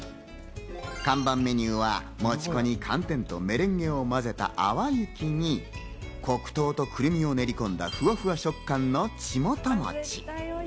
看板メニューは餅粉に寒天とメレンゲを組み合わせた泡雪に黒糖とクルミを練りこんだふわふわ食感のちもと餅。